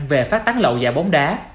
về phát tán lậu và bóng đá